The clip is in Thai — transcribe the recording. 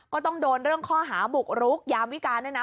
ก็ต้องโดนเรื่องข้อหาบุกรุกยามวิการด้วยนะ